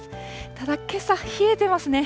ただけさ冷えてますね。